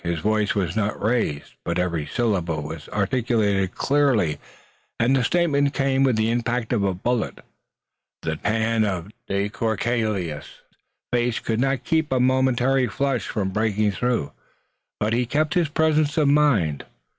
His voice was not raised, but every syllable was articulated clearly, and the statement came with the impact of a bullet. The tan of de Courcelles' face could not keep a momentary flush from breaking through, but he kept his presence of mind.